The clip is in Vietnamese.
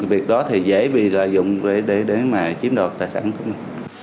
việc đó thì dễ bị lợi dụng để mà chiếm đoạt tài sản của mình